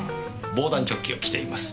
防弾チョッキを着ています。